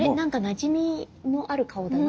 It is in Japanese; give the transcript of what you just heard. なじみのある顔。